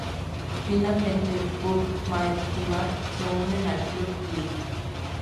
Finalmente, Puck, Mike y Matt se unen al Club Glee.